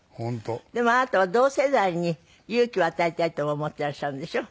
でもあなたは同世代に勇気を与えたいとも思っていらっしゃるんでしょ？